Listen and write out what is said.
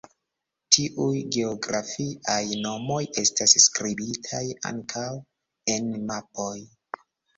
Tiuj geografiaj nomoj estas skribitaj ankaŭ en mapoj.